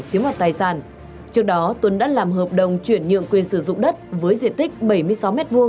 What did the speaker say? trước đó tuấn đã làm hợp đồng chuyển nhượng quyền sử dụng đất với diện tích bảy mươi sáu m hai